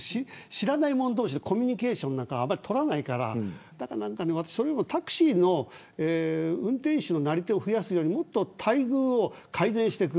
知らない人同士でコミュニケーションなんか取らないからタクシーの運転手のなり手を増やすより待遇を改善していく。